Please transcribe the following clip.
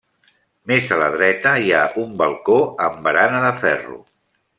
Més a la dreta hi ha un balcó amb barana de ferro.